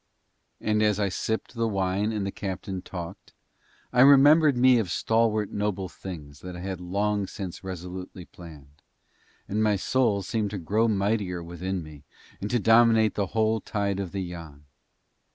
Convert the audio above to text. And as I sipped the wine and the captain talked, I remembered me of stalwart noble things that I had long since resolutely planned, and my soul seemed to grow mightier within me and to dominate the whole tide of the Yann.